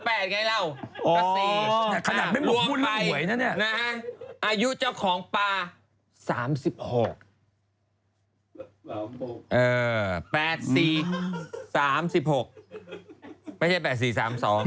แปดสี่สามสิบหกไม่ใช่แปดสี่สามสอง